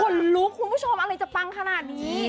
คนรู้คุณผู้ชมอะไรจะเบ้งขนาดนี้